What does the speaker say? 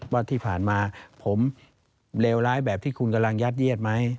ว่าที่ผ่านมาผมเลวร้ายแบบที่คุณกำลังยัดเยียดไหม